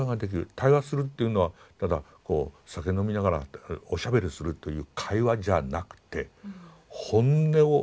対話するというのはただこう酒飲みながらおしゃべりするという会話じゃなくて本音を申し上げる。